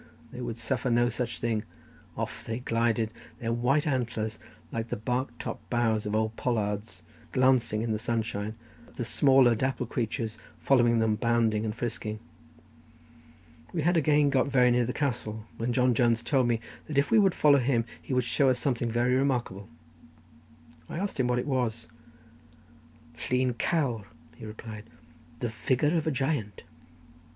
they would suffer no such thing; off they glided, their white antlers, like the barked top boughs of old pollards, glancing in the sunshine, the smaller dappled creatures following them bounding and frisking. We had again got very near the castle, when John Jones told me that if we would follow him, he would show us something very remarkable: I asked him what it was. "Llun Cawr," he replied. "The figure of a giant."